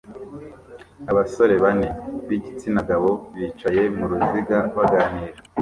Abasore bane b'igitsina gabo bicaye mu ruziga baganira